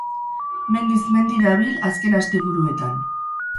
Mendiz mendi dabil azken asteburuetan.